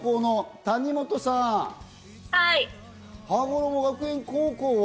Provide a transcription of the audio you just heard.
羽衣学園高校は。